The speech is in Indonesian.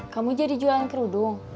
kamu jadi jualan kerudung